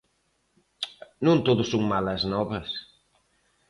Non todo son malas novas.